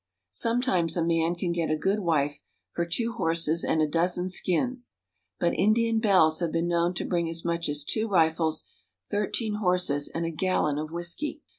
Sometimes a man can get a good wife for two horses and a dozen skins ; but Indian belles have been known to bring as much as two rifles, thirteen horses, and a gallon of whisky.